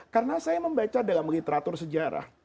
karena saya membaca dalam literatur sejarah